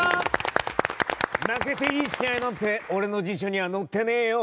負けていい試合なんて俺の辞書には載ってねえよ！